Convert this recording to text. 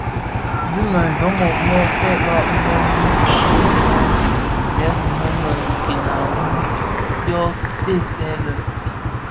Dhi me jommog mōō tsebbag myom bi mëkuu më ndhèli më bi nken a mum kō dhesè lè.